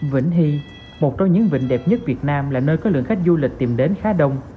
vĩnh hy một trong những vịnh đẹp nhất việt nam là nơi có lượng khách du lịch tìm đến khá đông